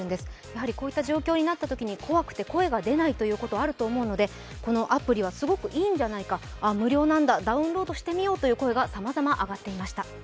やはりこういった状況になったときに怖くて声が出ないということがあると思うのでこのアプリはすごいいいんじゃないか、無料なんだ、ダウンロードしてみようなどさまざまな声が上がっていました。